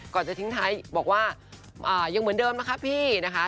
จะทิ้งท้ายบอกว่ายังเหมือนเดิมนะคะพี่นะคะ